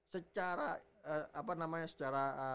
secara apa namanya secara